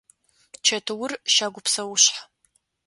Чэтыур – щагу псэушъхь.